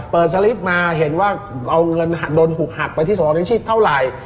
เปิดสลิฟท์มาเห็นว่าเอาเงินโดนหุ้นหักไปที่สหวังิตชีพเท่าไหร่